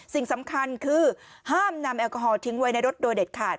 สิ่งสำคัญคือห้ามนำแอลกอฮอลทิ้งไว้ในรถโดยเด็ดขาด